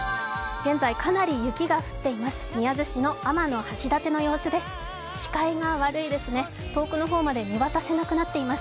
現在、かなり雪が降っています。